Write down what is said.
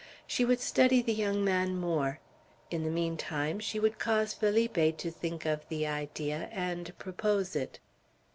She would study the young man more. In the mean time, she would cause Felipe to think of the idea, and propose it.